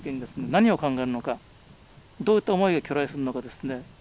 何を考えるのかどういった思いが去来するのかですね